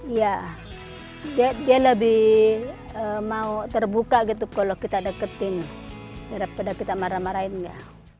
ya dia lebih mau terbuka gitu kalau kita deketin daripada kita marah marahin nggak